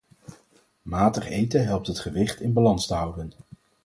Matig eten helpt het gewicht in balans te houden